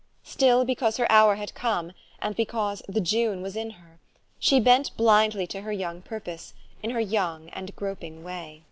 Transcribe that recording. Still, because her hour had come, and because u the June was in her," she bent blindly to her young pur pose, in her young and groping way.